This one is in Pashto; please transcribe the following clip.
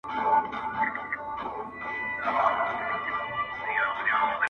پوه نه سوم چي څنګه مي جانان راسره وژړل!.